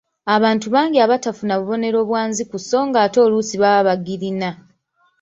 Abantu bangi abatafuna bubonero bwa nziku so ng'ate oluusi baba bagirina